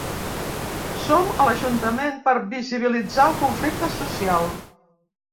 Som a l’ajuntament per visibilitzar el conflicte social.